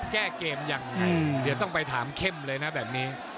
แก้เกมยังไงเดี๋ยวต้องไปถามเข้มเลยนะแบบนี้